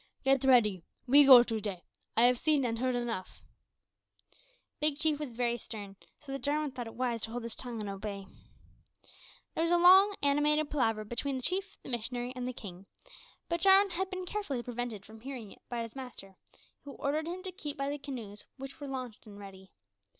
"Get ready. We go to day. I have seen and heard enough." Big Chief was very stern, so that Jarwin thought it wise to hold his tongue and obey. There was a long animated palaver between the chief, the missionary, and the king, but Jarwin had been carefully prevented from hearing it by his master, who ordered him to keep by the canoes, which were launched and ready.